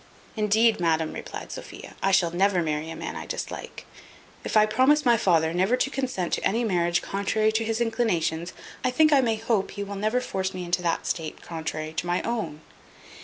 "Indeed, madam," replied Sophia, "I shall never marry a man I dislike. If I promise my father never to consent to any marriage contrary to his inclinations, I think I may hope he will never force me into that state contrary to my own."